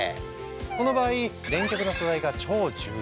この場合電極の素材が超重要。